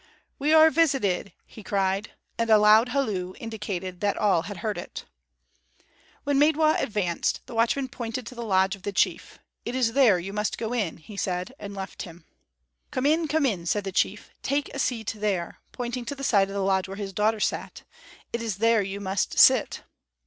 "We are visited," he cried, and a loud halloo indicated that all had heard it. When Maidwa advanced, the watchman pointed to the lodge of the chief. "It is there you must go in," he said, and left him. "Come in, come in," said the chief; "take a seat there," pointing to the side of the lodge where his daughter sat. "It is there you must sit."